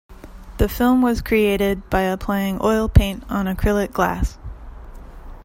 The film was created by applying oil paint on acrylic glass.